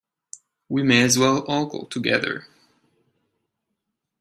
We may as well all go together.